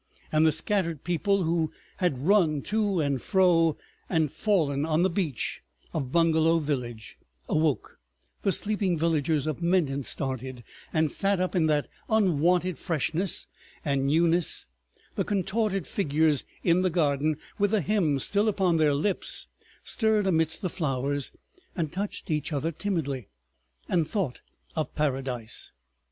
And the scattered people who had run to and fro, and fallen on the beach of Bungalow village, awoke; the sleeping villagers of Menton started, and sat up in that unwonted freshness and newness; the contorted figures in the garden, with the hymn still upon their lips, stirred amidst the flowers, and touched each other timidly, and thought of Paradise.